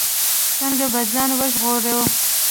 څنګه به ځان ژغورو.